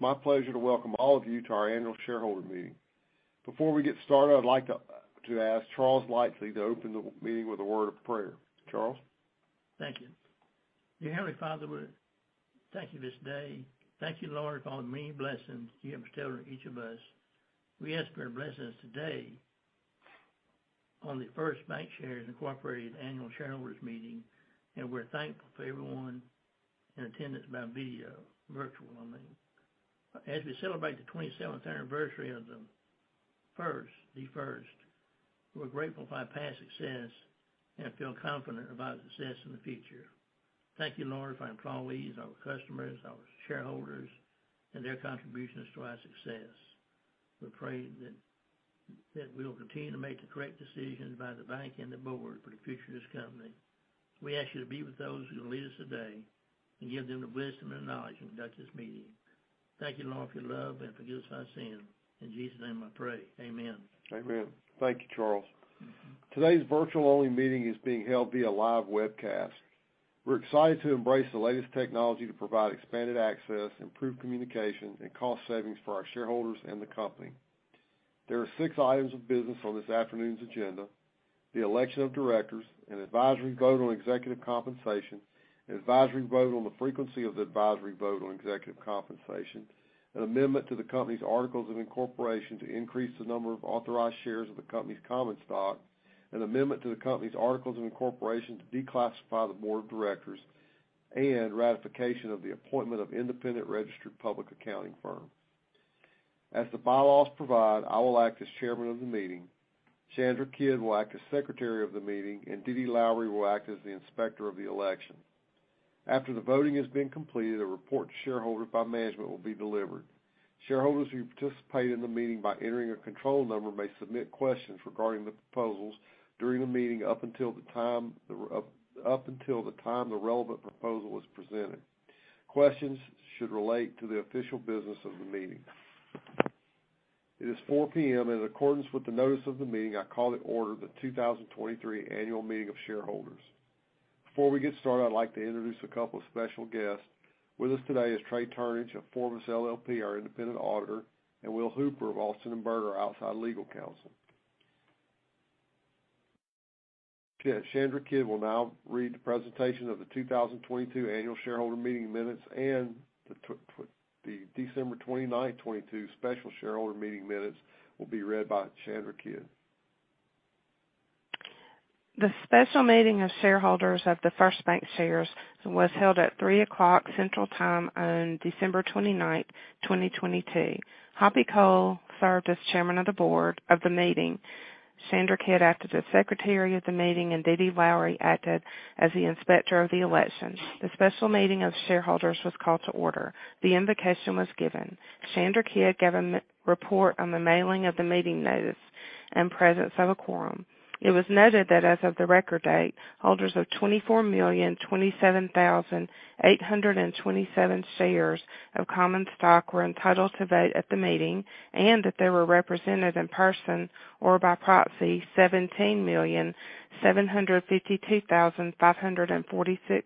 It's my pleasure to welcome all of you to our annual shareholder meeting. Before we get started, I'd like to ask Charles Lightsey to open the meeting with a word of prayer. Charles? Thank you. Dear Heavenly Father, we thank you this day. Thank you, Lord, for all the many blessings you have bestowed on each of us. We ask for your blessings today on First Bancshares Incorporated annual shareholders meeting, and we're thankful for everyone in attendance by video, virtual, I mean. As we celebrate the 27th anniversary of The First, we're grateful for our past success and feel confident about success in the future. Thank you, Lord, for our employees, our customers, our shareholders, and their contributions to our success. We pray that we will continue to make the correct decisions by the bank and the board for the future of this company. We ask you to be with those who lead us today and give them the wisdom and knowledge to conduct this meeting. Thank you, Lord, for your love, and forgive us our sin. In Jesus' name, I pray. Amen. Amen. Thank you, Charles. Today's virtual-only meeting is being held via live webcast. We're excited to embrace the latest technology to provide expanded access, improved communication, and cost savings for our shareholders and the company. There are six items of business on this afternoon's agenda: the election of directors, an advisory vote on executive compensation, an advisory vote on the frequency of the advisory vote on executive compensation, an amendment to the company's articles of incorporation to increase the number of authorized shares of the company's common stock, an amendment to the company's articles of incorporation to declassify the board of directors, and ratification of the appointment of independent registered public accounting firm. As the bylaws provide, I will act as chairman of the meeting, Chandra Kidd will act as secretary of the meeting, and Dee Dee Lowery will act as the inspector of the election. After the voting has been completed, a report to shareholders by management will be delivered. Shareholders who participate in the meeting by entering a control number may submit questions regarding the proposals during the meeting up until the time the relevant proposal is presented. Questions should relate to the official business of the meeting. It is 4:00 P.M. In accordance with the notice of the meeting, I call to order the 2023 annual meeting of shareholders. Before we get started, I'd like to introduce a couple of special guests. With us today is Trey Turnage of Forvis, LLP, our independent auditor, and Will Hooper of Alston & Bird LLP, our outside legal counsel. Chandra Kidd will now read the presentation of the 2022 annual shareholder meeting minutes, and the December 29, 2022, special shareholder meeting minutes will be read by Chandra Kidd. The special meeting of shareholders of The First Bancshares was held at 3:00 Central Time on December 29th, 2022. Hoppy Cole served as Chairman of the Board of the meeting. Chandra Kidd acted as Secretary of the meeting, and Dee Dee Lowery acted as the Inspector of the election. The special meeting of shareholders was called to order. The invocation was given. Chandra Kidd gave a report on the mailing of the meeting notice and presence of a quorum. It was noted that as of the record date, holders of 24,027,827 shares of common stock were entitled to vote at the meeting, and that they were represented in person or by proxy, 17,752,546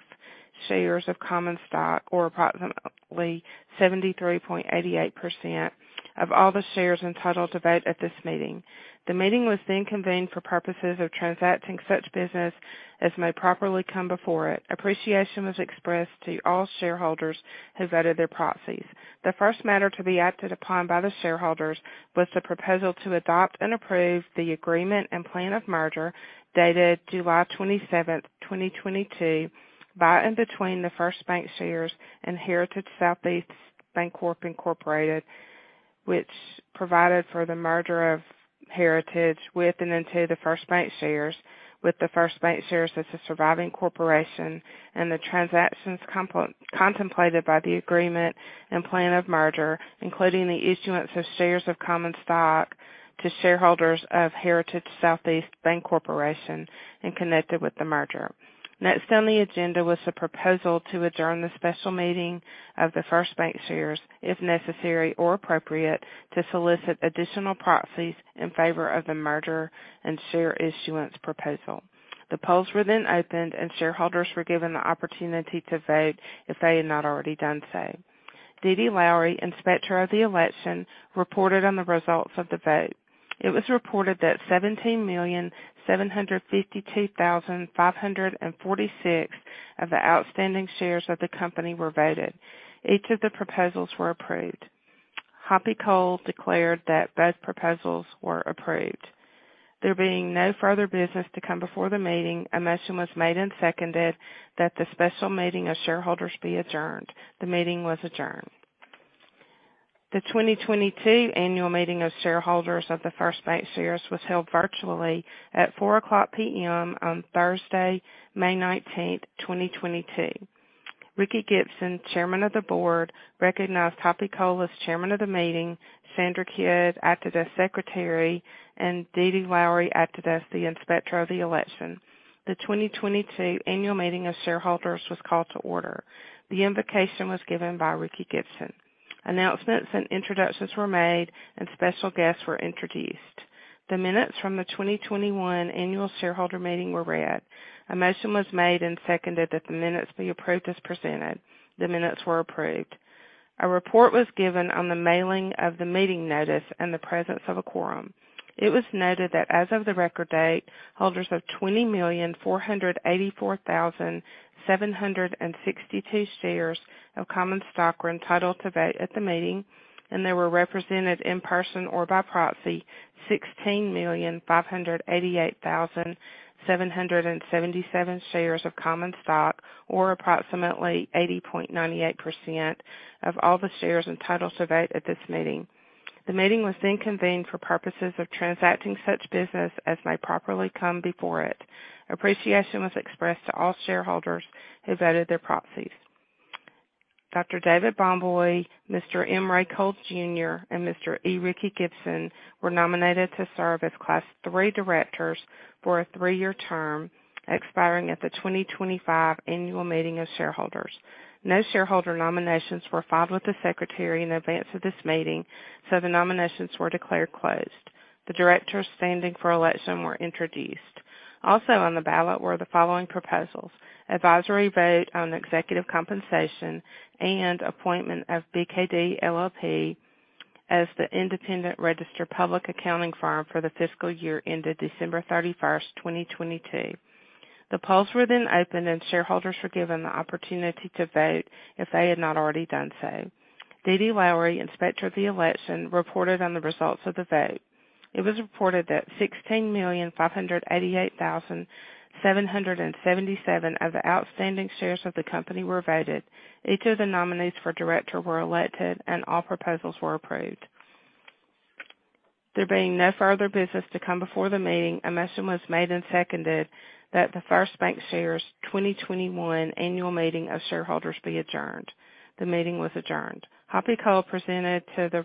shares of common stock, or approximately 73.88% of all the shares entitled to vote at this meeting. The meeting was convened for purposes of transacting such business as may properly come before it. Appreciation was expressed to all shareholders who voted their proxies. The first matter to be acted upon by the shareholders was the proposal to adopt and approve the agreement and plan of merger, dated July 27, 2022, by and between The First Bancshares and Heritage Southeast Bancorporation, Inc., which provided for the merger of Heritage with and into The First Bancshares, with The First Bancshares as the surviving corporation and the transactions contemplated by the agreement and plan of merger, including the issuance of shares of common stock to shareholders of Heritage Southeast Bancorporation, Inc. and connected with the merger. Next on the agenda was the proposal to adjourn the special meeting of The First Bancshares, if necessary or appropriate, to solicit additional proxies in favor of the merger and share issuance proposal. The polls were then opened, and shareholders were given the opportunity to vote if they had not already done so. Dee Dee Lowery, Inspector of the Election, reported on the results of the vote. It was reported that 17,752,546 of the outstanding shares of the company were voted. Each of the proposals were approved. Hoppy Cole declared that both proposals were approved. There being no further business to come before the meeting, a motion was made and seconded that the special meeting of shareholders be adjourned. The meeting was adjourned. The 2022 annual meeting of shareholders of The First Bancshares was held virtually at 4:00 P.M. on Thursday, May 19th, 2022. Ricky Gibson, Chairman of the Board, recognized Hoppy Cole as Chairman of the Meeting, Chandra Kidd acted as Secretary, and Dee Dee Lowery acted as the Inspector of the Election. The 2022 annual meeting of shareholders was called to order. The invocation was given by Ricky Gibson. Announcements and introductions were made, and special guests were introduced. The minutes from the 2021 annual shareholder meeting were read. A motion was made and seconded that the minutes be approved as presented. The minutes were approved. A report was given on the mailing of the meeting notice and the presence of a quorum. It was noted that as of the record date, holders of 20,484,762 shares of common stock were entitled to vote at the meeting, and they were represented in person or by proxy, 16,588,777 shares of common stock, or approximately 80.98% of all the shares entitled to vote at this meeting. The meeting was convened for purposes of transacting such business as may properly come before it. Appreciation was expressed to all shareholders who voted their proxies. Dr. David Bomboy, Mr. M. Ray Cole, Jr., and Mr. E. Ricky Gibson were nominated to serve as Class 3 directors for a three-year term, expiring at the 2025 annual meeting of shareholders. No shareholder nominations were filed with the Secretary in advance of this meeting, so the nominations were declared closed. The directors standing for election were introduced. Also on the ballot were the following proposals: advisory vote on executive compensation and appointment of BKD, LLP as the independent registered public accounting firm for the fiscal year ended December 31st, 2022. The polls were then opened, and shareholders were given the opportunity to vote if they had not already done so. Dee Dee Lowery, Inspector of the election, reported on the results of the vote. It was reported that 16,588,777 of the outstanding shares of the company were voted. Each of the nominees for director were elected, and all proposals were approved. There being no further business to come before the meeting, a motion was made and seconded that The First Bancshares 2021 annual meeting of shareholders be adjourned. The meeting was adjourned. Hoppy Cole presented to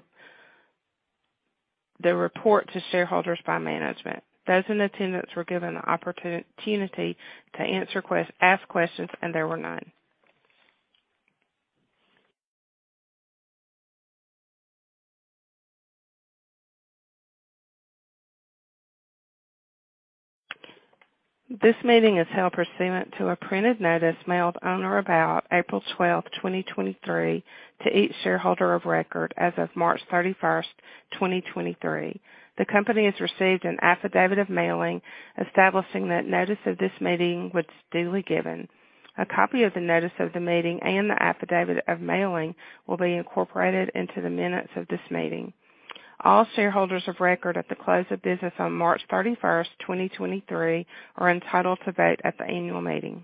the report to shareholders by management. Those in attendance were given the opportunity to ask questions, and there were none. This meeting is held pursuant to a printed notice mailed on or about April 12, 2023, to each shareholder of record as of March 31, 2023. The company has received an affidavit of mailing, establishing that notice of this meeting was duly given. A copy of the notice of the meeting and the affidavit of mailing will be incorporated into the minutes of this meeting. All shareholders of record at the close of business on March 31st, 2023, are entitled to vote at the annual meeting.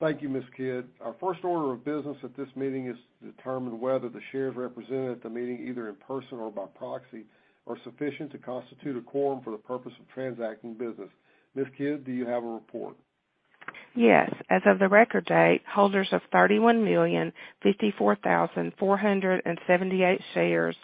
Thank you, Ms. Kidd. Our first order of business at this meeting is to determine whether the shares represented at the meeting, either in person or by proxy, are sufficient to constitute a quorum for the purpose of transacting business. Ms. Kidd, do you have a report? Yes. As of the record date, holders of 31,054,478 shares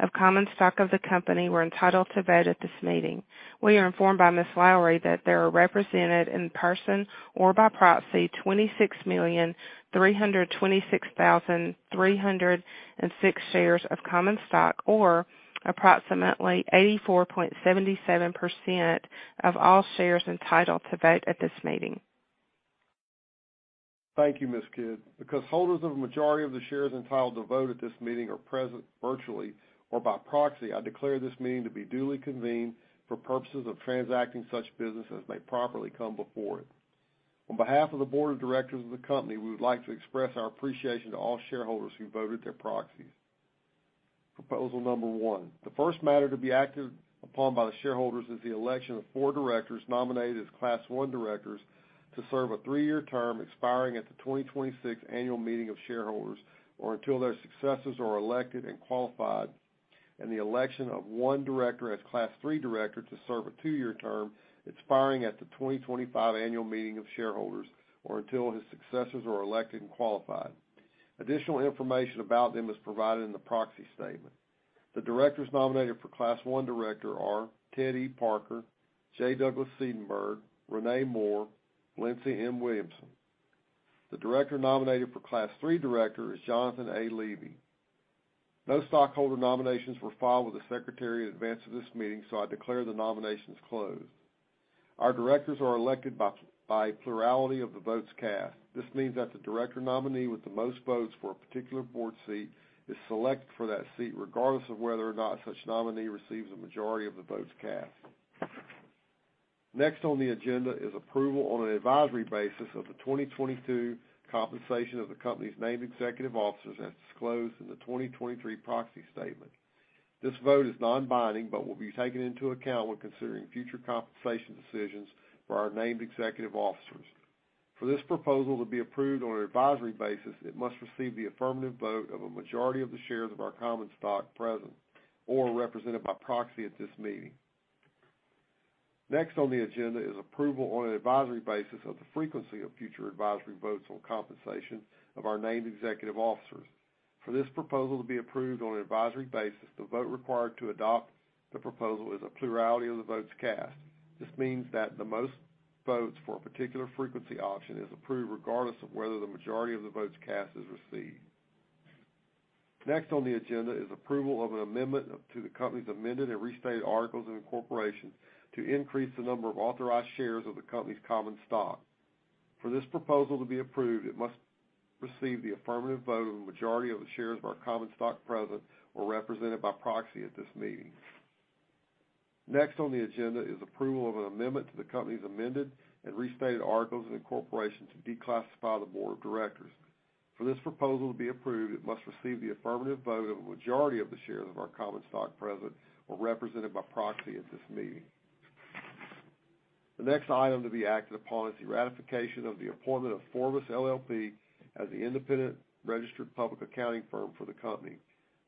of common stock of the company were entitled to vote at this meeting. We are informed by Ms. Lowery that they are represented in person or by proxy, 26,326,306 shares of common stock, or approximately 84.77% of all shares entitled to vote at this meeting. Thank you, Ms. Kidd. Because holders of a majority of the shares entitled to vote at this meeting are present, virtually or by proxy, I declare this meeting to be duly convened for purposes of transacting such business as may properly come before it. On behalf of the board of directors of the company, we would like to express our appreciation to all shareholders who voted their proxies. Proposal number one: The first matter to be acted upon by the shareholders is the election of four directors nominated as Class One directors to serve a three-year term expiring at the 2026 annual meeting of shareholders, or until their successors are elected and qualified, and the election of 1 director as Class Three director to serve a two-year term, expiring at the 2025 annual meeting of shareholders, or until his successors are elected and qualified. Additional information about them is provided in the proxy statement. The directors nominated for Class One director are Ted E. Parker, J. Douglas Seidenberg, Renee Moore, Valencia M. Williamson. The director nominated for Class Three director is Jonathan A. Levy. No stockholder nominations were filed with the Secretary in advance of this meeting, I declare the nominations closed. Our directors are elected by plurality of the votes cast. This means that the director nominee with the most votes for a particular board seat is selected for that seat, regardless of whether or not such nominee receives a majority of the votes cast. Next on the agenda is approval on an advisory basis of the 2022 compensation of the company's named executive officers, as disclosed in the 2023 proxy statement. This vote is non-binding but will be taken into account when considering future compensation decisions for our named executive officers. For this proposal to be approved on an advisory basis, it must receive the affirmative vote of a majority of the shares of our common stock present or represented by proxy at this meeting. Next on the agenda is approval on an advisory basis of the frequency of future advisory votes on compensation of our named executive officers. For this proposal to be approved on an advisory basis, the proposal is a plurality of the votes cast. This means that the most votes for a particular frequency option is approved, regardless of whether the majority of the votes cast is received. Next on the agenda is approval of an amendment to the company's amended and restated articles of incorporation, to increase the number of authorized shares of the company's common stock. For this proposal to be approved, it must receive the affirmative vote of a majority of the shares of our common stock present or represented by proxy at this meeting. Next on the agenda is approval of an amendment to the company's amended and restated articles of incorporation to declassify the board of directors. For this proposal to be approved, it must receive the affirmative vote of a majority of the shares of our common stock present or represented by proxy at this meeting. The next item to be acted upon is the ratification of the appointment of Forvis, LLP as the independent registered public accounting firm for the company.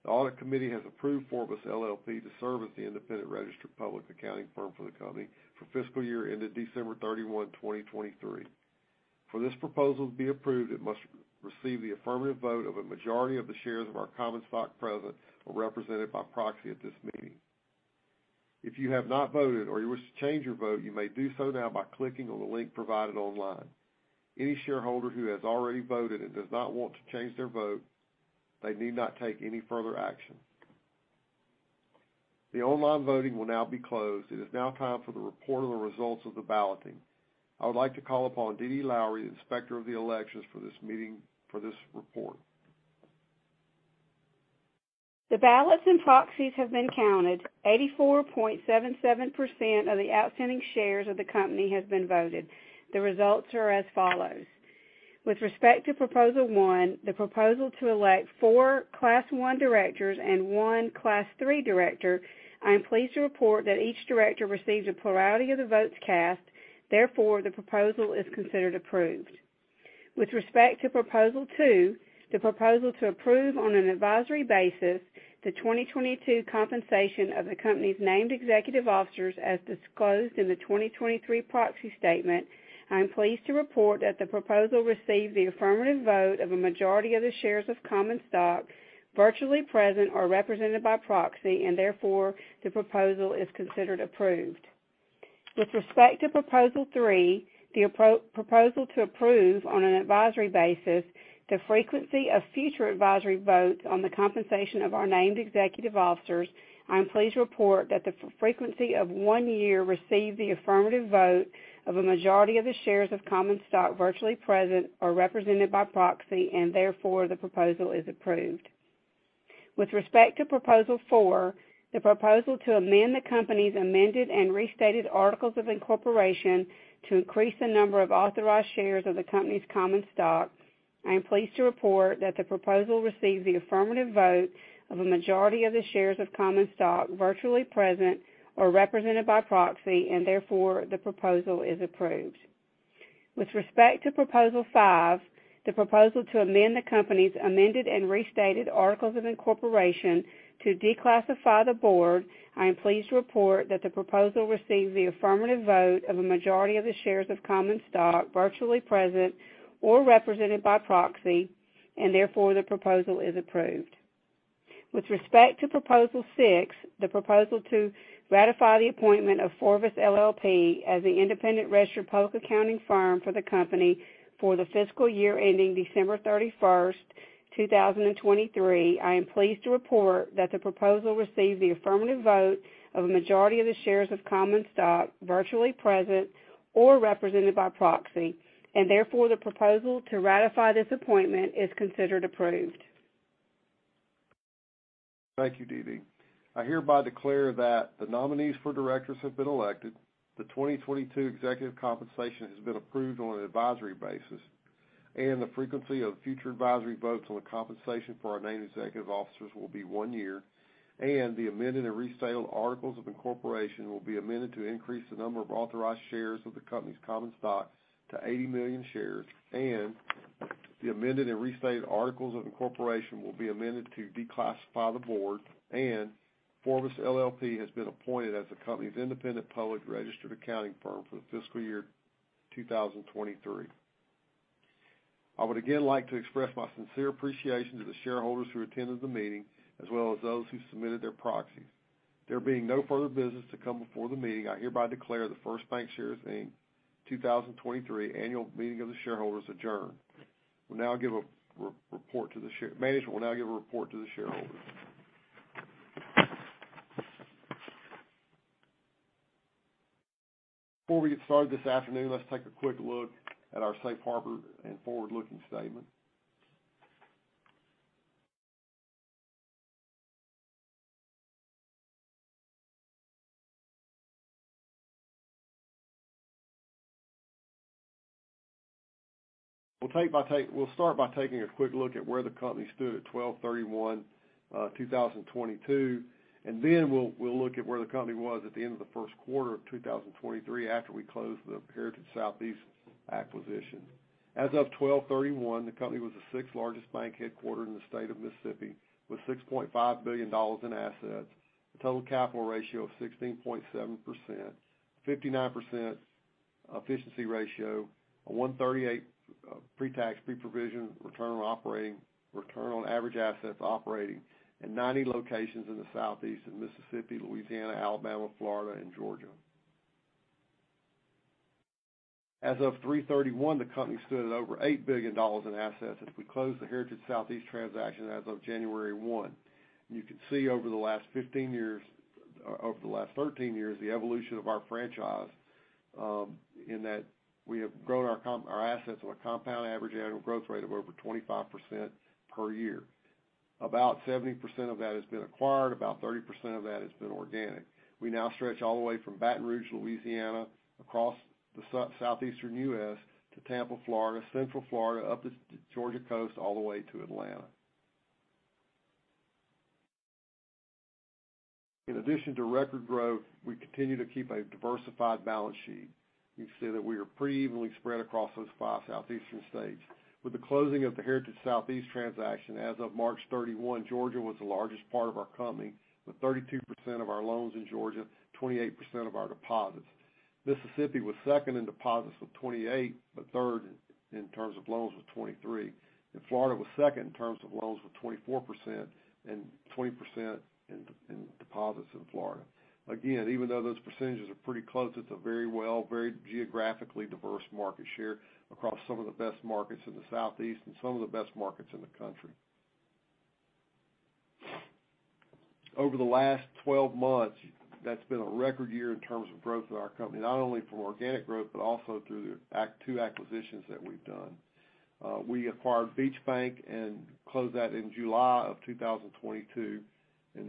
The audit committee has approved Forvis, LLP to serve as the independent registered public accounting firm for the company for fiscal year ended December 31, 2023. For this proposal to be approved, it must receive the affirmative vote of a majority of the shares of our common stock present or represented by proxy at this meeting. If you have not voted or you wish to change your vote, you may do so now by clicking on the link provided online. Any shareholder who has already voted and does not want to change their vote, they need not take any further action. The online voting will now be closed. It is now time for the report on the results of the balloting. I would like to call upon Dee Dee Lowery, Inspector of the Elections, for this meeting, for this report. The ballots and proxies have been counted. 84.77% of the outstanding shares of the company has been voted. The results are as follows: With respect to Proposal One, the proposal to elect four Class One directors and one Class Three director, I am pleased to report that each director receives a plurality of the votes cast, therefore, the proposal is considered approved. With respect to Proposal Two, the proposal to approve on an advisory basis, the 2022 compensation of the company's named executive officers as disclosed in the 2023 proxy statement, I am pleased to report that the proposal received the affirmative vote of a majority of the shares of common stock, virtually present or represented by proxy, and therefore, the proposal is considered approved. With respect to Proposal Three, the proposal to approve on an advisory basis, the frequency of future advisory votes on the compensation of our named executive officers, I'm pleased to report that the frequency of one year received the affirmative vote of a majority of the shares of common stock, virtually present or represented by proxy, and therefore, the proposal is approved. With respect to Proposal Four, the proposal to amend the company's amended and restated articles of incorporation to increase the number of authorized shares of the company's common stock, I am pleased to report that the proposal received the affirmative vote of a majority of the shares of common stock, virtually present or represented by proxy, and therefore, the proposal is approved. With respect to Proposal Five, the proposal to amend the company's amended and restated articles of incorporation to declassify the board, I am pleased to report that the proposal received the affirmative vote of a majority of the shares of common stock, virtually present or represented by proxy, and therefore, the proposal is approved. With respect to Proposal Six, the proposal to ratify the appointment of Forvis, LLP as the independent registered public accounting firm for the company for the fiscal year ending December 31st, 2023, I am pleased to report that the proposal received the affirmative vote of a majority of the shares of common stock, virtually present or represented by proxy, and therefore, the proposal to ratify this appointment is considered approved. Thank you, Dee Dee. I hereby declare that the nominees for directors have been elected, the 2022 executive compensation has been approved on an advisory basis, and the frequency of future advisory votes on the compensation for our named executive officers will be one year, and the amended and restated articles of incorporation will be amended to increase the number of authorized shares of the company's common stock to 80 million shares, and the amended and restated articles of incorporation will be amended to declassify the board, and Forvis, LLP has been appointed as the company's independent public registered accounting firm for the fiscal year 2023. I would again like to express my sincere appreciation to the shareholders who attended the meeting, as well as those who submitted their proxies. There being no further business to come before the meeting, I hereby declare The First Bancshares, Inc. 2023 annual meeting of the shareholders adjourned. Management will now give a report to the shareholders. Before we get started this afternoon, let's take a quick look at our safe harbor and forward-looking statement. We'll start by taking a quick look at where the company stood at 12/31/2022, and then we'll look at where the company was at the end of the first quarter of 2023 after we closed the Heritage Southeast acquisition. As of 12/31, the company was the sixth largest bank headquartered in the state of Mississippi, with $6.5 billion in assets, a total capital ratio of 16.7%, 59% efficiency ratio, a 1.38 Pre-Tax, Pre-Provision, Return on Average Assets operating in 90 locations in the Southeast, in Mississippi, Louisiana, Alabama, Florida, and Georgia. As of 3/31, the company stood at over $8 billion in assets as we closed the Heritage Southeast transaction as of January 1. You can see over the last 15 years, over the last 13 years, the evolution of our franchise, in that we have grown our assets at a Compound Average Annual Growth Rate of over 25% per year. About 70% of that has been acquired, about 30% of that has been organic. We now stretch all the way from Baton Rouge, Louisiana, across the Southeastern U.S. to Tampa, Florida, Central Florida, up the Georgia coast, all the way to Atlanta. In addition to record growth, we continue to keep a diversified balance sheet. You can see that we are pretty evenly spread across those five Southeastern states. With the closing of the Heritage Southeast transaction, as of March 31, Georgia was the largest part of our company, with 32% of our loans in Georgia, 28% of our deposits. Mississippi was second in deposits with 28, but third in terms of loans with 23. Florida was second in terms of loans with 24% and 20% in deposits in Florida. Even though those % are pretty close, it's a very well, very geographically diverse market share across some of the best markets in the Southeast and some of the best markets in the country. Over the last 12 months, that's been a record year in terms of growth in our company, not only from organic growth, but also through the two acquisitions that we've done. We acquired Beach Bank and closed that in July of 2022,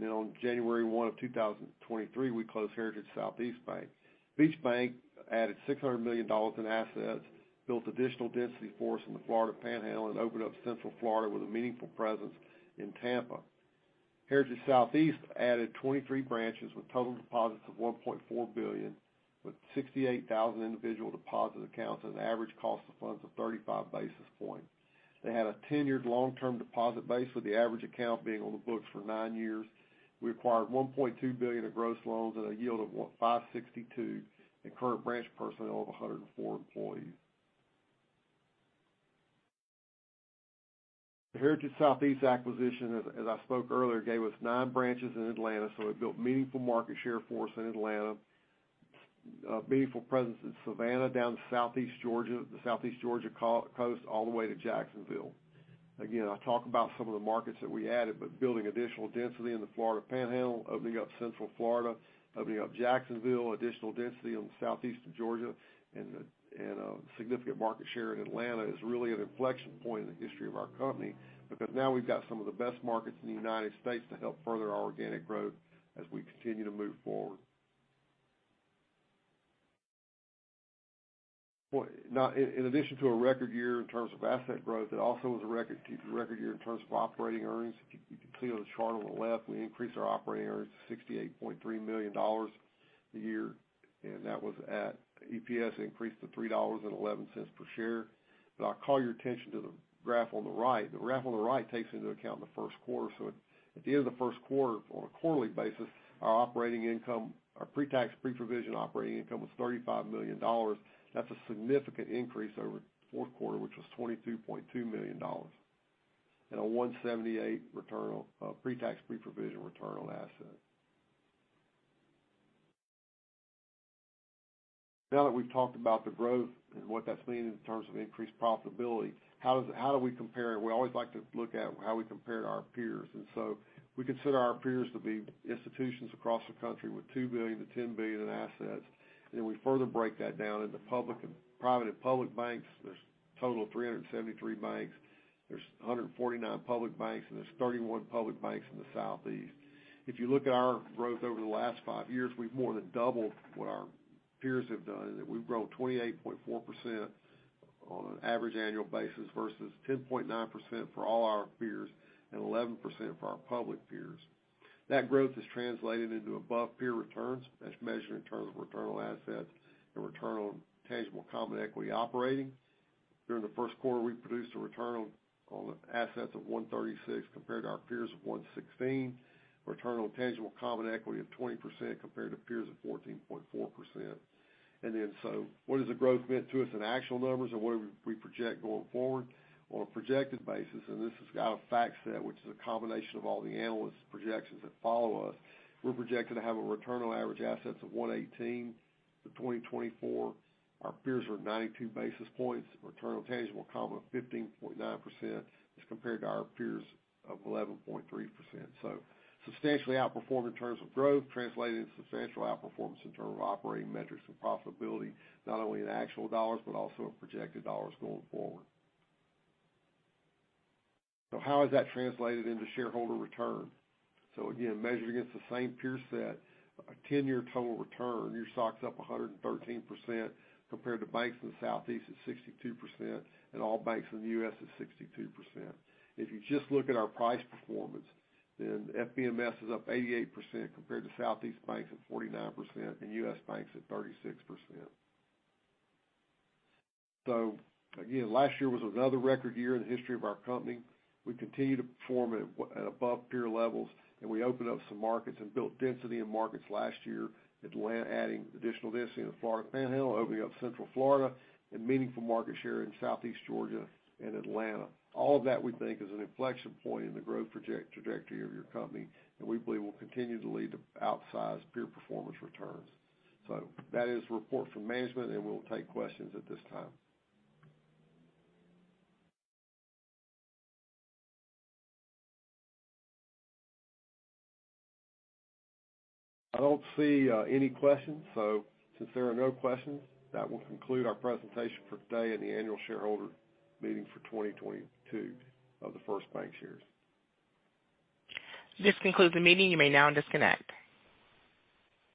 on January 1 of 2023, we closed Heritage Southeast Bank. Beach Bank added $600 million in assets, built additional density for us in the Florida Panhandle, and opened up Central Florida with a meaningful presence in Tampa. Heritage Southeast added 23 branches with total deposits of $1.4 billion, with 68,000 individual deposit accounts at an average cost of funds of 35 basis points. They had a tenured long-term deposit base, with the average account being on the books for nine years. We acquired $1.2 billion of gross loans at a yield of 5.62, and current branch personnel of 104 employees. The Heritage Southeast acquisition, as I spoke earlier, gave us nine branches in Atlanta, so it built meaningful market share for us in Atlanta, meaningful presence in Savannah, down to Southeast Georgia, the Southeast Georgia coast, all the way to Jacksonville. I talk about some of the markets that we added, but building additional density in the Florida Panhandle, opening up Central Florida, opening up Jacksonville, additional density on the southeastern Georgia, and a significant market share in Atlanta is really an inflection point in the history of our company. Now we've got some of the best markets in the United States to help further our organic growth as we continue to move forward. Now, in addition to a record year in terms of asset growth, it also was a record year in terms of operating earnings. You can see on the chart on the left, we increased our operating earnings to $68.3 million a year, and that was at EPS increased to $3.11 per share. I'll call your attention to the graph on the right. The graph on the right takes into account the first quarter. At the end of the first quarter, on a quarterly basis, our operating income, our Pre-Tax, Pre-Provision Operating Income was $35 million. That's a significant increase over the fourth quarter, which was $22.2 million, and a 178% Pre-Tax, Pre-Provision Return on Assets. Now that we've talked about the growth and what that's meaning in terms of increased profitability, how do we compare it? We always like to look at how we compare to our peers. We consider our peers to be institutions across the country with $2 billion-$10 billion in assets. We further break that down into private and public banks. There's a total of 373 banks. There's 149 public banks. There's 31 public banks in the Southeast. If you look at our growth over the last five years, we've more than doubled what our peers have done, in that we've grown 28.4% on an average annual basis versus 10.9% for all our peers, 11% for our public peers. That growth has translated into above-peer returns, as measured in terms of Return on Average Assets and Return on Tangible Common Equity. During the first quarter, we produced a Return on Average Assets of 1.36%, compared to our peers of 1.16%. Return on Tangible Common Equity of 20%, compared to peers of 14.4%. What has the growth meant to us in actual numbers, and what do we project going forward? On a projected basis, this has got a FactSet, which is a combination of all the analysts' projections that follow us, we're projected to have a Return on Average Assets of 1.18% for 2024. Our peers are at 92 basis points. Return on Tangible Common of 15.9% as compared to our peers of 11.3%. Substantially outperformed in terms of growth, translating into substantial outperformance in terms of operating metrics and profitability, not only in actual dollars, but also in projected dollars going forward. How has that translated into shareholder return? Again, measured against the same peer set, a 10-year total return, your stock's up 113%, compared to banks in the Southeast at 62%, and all banks in the U.S. is 62%. If you just look at our price performance, FBMS is up 88%, compared to Southeast banks at 49% and U.S. banks at 36%. Again, last year was another record year in the history of our company. We continue to perform at above peer levels, we opened up some markets and built density in markets last year, Atlanta, adding additional density in the Florida Panhandle, opening up Central Florida, and meaningful market share in Southeast Georgia and Atlanta. All of that, we think, is an inflection point in the growth trajectory of your company, and we believe will continue to lead to outsized peer performance returns. That is the report from management, and we'll take questions at this time. I don't see any questions. Since there are no questions, that will conclude our presentation for today and the annual shareholder meeting for 2022 of The First Bancshares. This concludes the meeting. You may now disconnect.